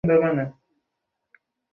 এ যুদ্ধে হামযাকে খুন করতে পারলে তুমি আযাদ।